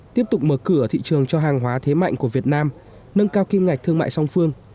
tiếp tục mở cửa thị trường cho hàng hóa thế mạnh của việt nam nâng cao kim ngạch thương mại song phương